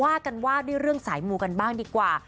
ว่ากันว่าด้วยเรื่องสายมูกันบ้างดีกว่า